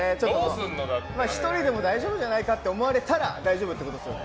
１人でも大丈夫じゃないかなって思われたら大丈夫ってことですよね。